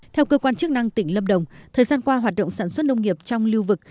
theo cơ quan chức năng tỉnh lâm đồng thời gian qua hoạt động sản xuất nông nghiệp trong lưu vực